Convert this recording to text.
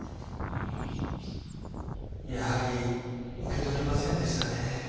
やはり受け取りませんでしたね。